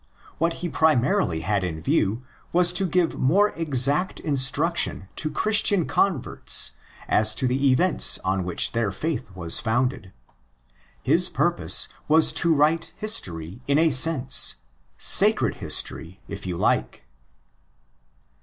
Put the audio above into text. What he primarily had in view was to give more exact instruction to Christian converts as to the events on which their faith was founded. His purpose was to write history in a sense—"' sacred history," if you like.